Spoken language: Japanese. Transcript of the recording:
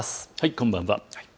こんばんは。